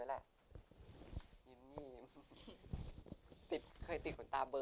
พนันวิธีพระอาจารยี